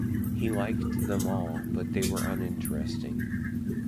He liked them all, but they were uninteresting.